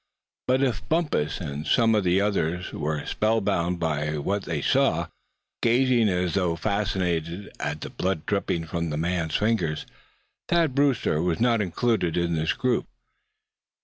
But if Bumpus, and some of the others, were spell bound by what they saw, gazing as though fascinated at the blood dripping from the man's fingers, Thad Brewster was not included in this group.